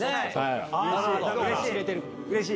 うれしい？